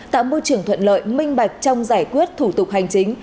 tạo môi trường thuận lợi minh bạch trong giải quyết thủ tục hành chính